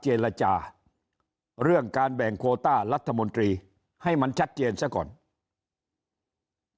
เจลจาร์เรื่องการแบ่งโครตารัฐมนตรีให้มันชัดเจนซะก่อนถึงเพื่อทัยจะบอกตลอดว่าต้องโหวตนายกก่อนแล้วค่อยคุยแต่ภักษ์ที่มาร่วมเนี่ยเขาประสานเสียงกันว่าต้องคุย